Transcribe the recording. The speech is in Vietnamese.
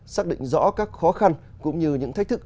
xác định rõ các khó khăn cũng như những thách thức